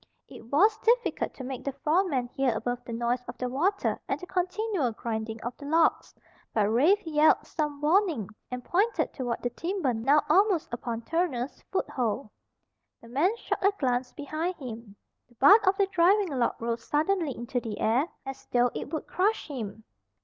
It was difficult to make the foreman hear above the noise of the water and the continual grinding of the logs, but Rafe yelled some warning and pointed toward the timber now almost upon Turner's foothold. The man shot a glance behind him. The butt of the driving log rose suddenly into the air as though it would crush him.